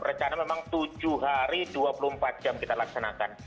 rencana memang tujuh hari dua puluh empat jam kita laksanakan